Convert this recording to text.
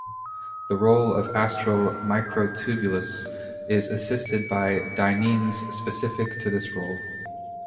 The role of astral microtubules is assisted by dyneins specific to this role.